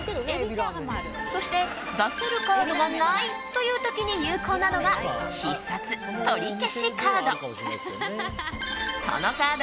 そして、出せるカードがないという時に有効なのが必殺とりけしカード。